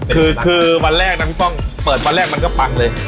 คือคือวันแรกนะพี่ป้องเปิดวันแรกมันก็ปังเลย